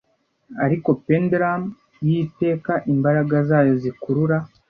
ariko pendulum y'iteka imbaraga zayo zikurura